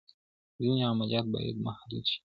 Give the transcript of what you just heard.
ځینې عملیات باید محدود شي.